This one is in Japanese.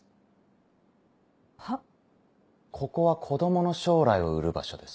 ここは子供の将来を売る場所です。